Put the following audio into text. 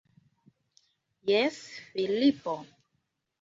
Jes, Filipo.